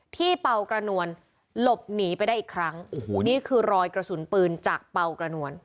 เป่ากระนวลหลบหนีไปได้อีกครั้งโอ้โหนี่คือรอยกระสุนปืนจากเป่ากระนวล